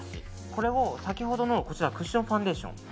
これを先ほどのクッションファンデーション。